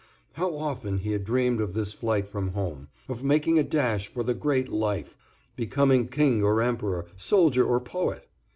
How often he had dreamed of this flight from home, of making a dash for the great Life, becoming king or emperor, soldier or poet!